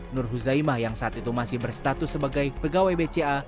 nur huzaimah yang saat itu masih berstatus sebagai pegawai bca